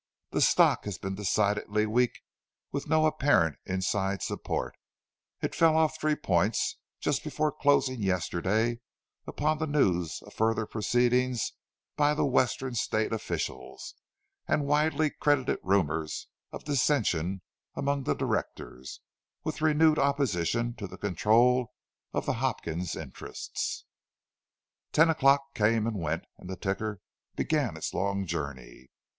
The stock has been decidedly weak, with no apparent inside support; it fell off three points just before closing yesterday, upon the news of further proceedings by Western state officials, and widely credited rumours of dissensions among the directors, with renewed opposition to the control of the Hopkins interests." Ten o'clock came and went, and the ticker began its long journey.